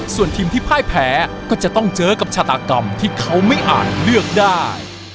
ส่วนทีมที่พ่ายแพ้ก็จะต้องเจอกับชาตากรรมที่เขาไม่อาจเลือกได้